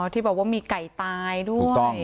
ที่บอกว่ามีไก่ตายด้วย